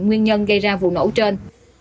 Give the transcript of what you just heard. nguyên nhân gây ra vụ nổ trên